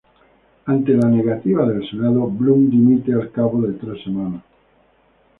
Ante la negativa del senado, Blum dimite al cabo de tres semanas.